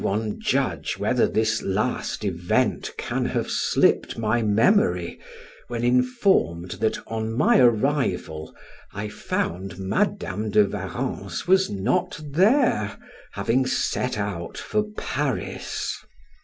Let anyone judge whether this last event can have slipped my memory, when informed that on my arrival I found Madam de Warrens was not there, having set out for Paris.